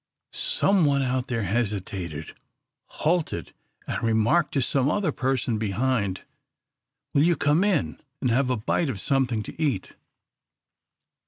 Some one out there hesitated, halted, and remarked to some other person behind, "Will you come in and have a bite of something to eat?"